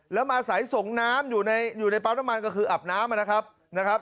แล้วมาอาศัยส่งน้ำอยู่ในอยู่ในปั๊มน้ำมันก็คืออาบน้ำนะครับ